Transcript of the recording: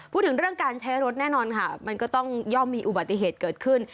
พูดถึงเรื่องการใช้รถแน่นอนค่ะมันก็ต้องย่อมมีอุบัติเหตุเกิดขึ้น